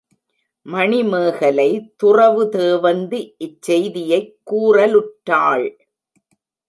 மணிமேகலை துறவு தேவந்தி இச்செய்தியைக் கூறலுற்றாள்.